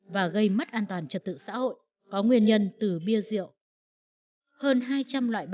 và gây mất an toàn trật tự xã hội